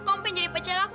kamu mau jadi pacar aku